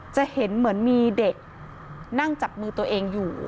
จะเห็นเหมือนมีเด็กนั่งจับมือตัวเองอยู่